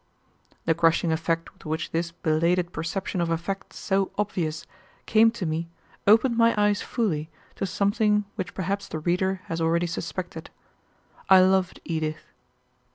The crushing effect with which this belated perception of a fact so obvious came to me opened my eyes fully to something which perhaps the reader has already suspected, I loved Edith.